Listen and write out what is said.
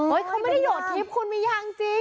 เฮ้ยเค้าไม่ได้โหดคลิปคุณมียางจริง